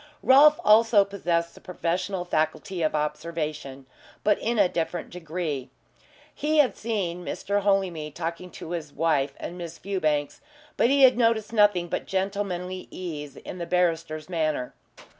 Rolfe also possessed the professional faculty of observation, but in a different degree. He had seen Mr. Holymead talking to his wife and Miss Fewbanks, but he had noticed nothing but gentlemanly ease in the barrister's manner.